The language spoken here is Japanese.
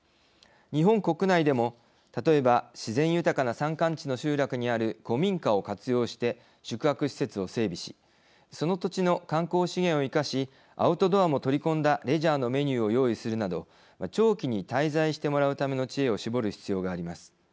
日本国内でも例えば自然豊かな山間地の集落にある古民家を活用して宿泊施設を整備しその土地の観光資源を生かしアウトドアも取り込んだレジャーのメニューを用意するなど長期に滞在してもらうための知恵を絞る必要があります。